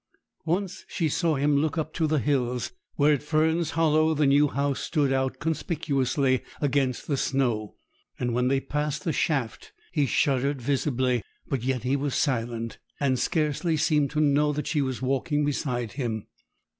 Once she saw him look up to the hills, where, at Fern's Hollow, the new house stood out conspicuously against the snow; and when they passed the shaft, he shuddered visibly; but yet he was silent, and scarcely seemed to know that she was walking beside him.